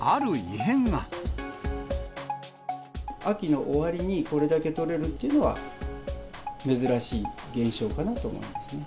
秋の終わりにこれだけ採れるっていうのは、珍しい現象かなと思いますね。